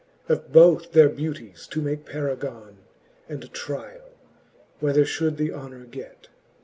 Of both their beauties to make paragons, And triall, whether ihould the honor get.